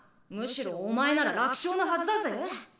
むしろお前なら楽勝のはずだぜ。